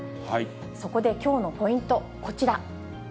そこできょうのポイント、こちら。